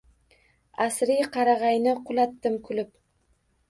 Asriy qarag’ayni qulatdim kulib